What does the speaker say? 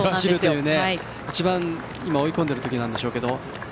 今が一番追い込んでいる時なんでしょうけど。